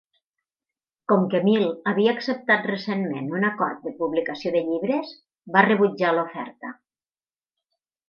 Com que Mil havia acceptat recentment un acord de publicació de llibres, va rebutjar l'oferta.